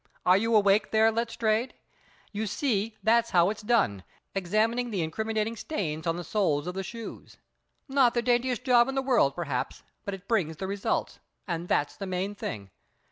"Are you awake there, Letstrayed? You see that's how it's done, examining the incriminating stains on the soles of the shoes. Not the daintiest job in the world, perhaps, but it brings the results, and that's the main thing.